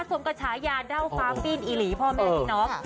สมกระฉายาด้าวฟ้าปิ้นอิหรี่พ่อแม่ที่น้อง